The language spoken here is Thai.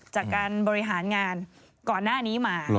จากการบริหารงานก่อนหน้านี้มา